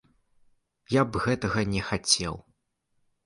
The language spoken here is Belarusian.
Я б гэтага не хацеў!